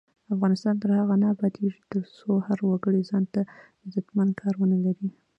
افغانستان تر هغو نه ابادیږي، ترڅو هر وګړی ځانته عزتمن کار ونه لري.